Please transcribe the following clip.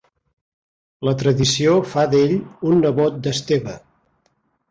La tradició fa d'ell un nebot d'Esteve.